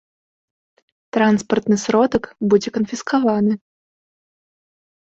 Транспартны сродак будзе канфіскаваны.